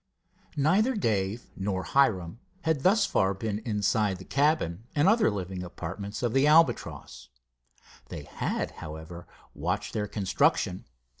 Neither Dave nor Hiram had thus far been inside the cabin and other living apartments of the Albatross. They had, however, watched their construction.